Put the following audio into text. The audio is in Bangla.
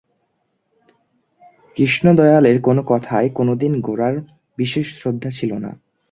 কৃষ্ণদয়ালের কোনো কথায় কোনোদিন গোরার বিশেষ শ্রদ্ধা ছিল না।